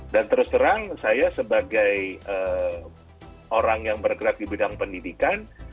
dan terus terang saya sebagai orang yang bergerak di bidang pendidikan